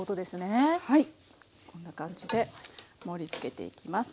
はいこんな感じで盛りつけていきます。